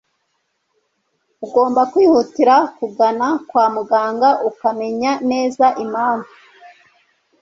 ugomba kwihutira kugana kwa muganga ukamenya neza impamvu